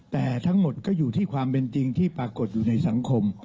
แต่ทั้งหมดก็อยู่ที่ความเป็นจริงที่ปรากฏอยู่ในสังคม